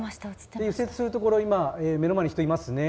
右折するところ、目の前に人がいましたね。